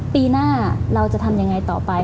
ปีหน้าเราจะทำยังไงต่อไป